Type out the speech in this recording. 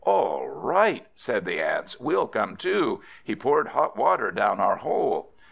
"All right," said the Ants, "we'll come too; he poured hot water down our hole."